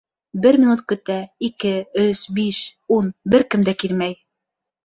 Бер минут көтә, ике, өс... биш... ун... бер кем дә килмәй.